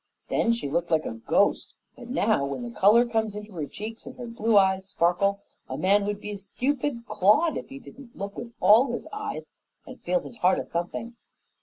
Then she looked like a ghost, but now when the color comes into her cheeks, and her blue eyes sparkle, a man would be a stupid clod if he didn't look with all his eyes and feel his heart a thumping.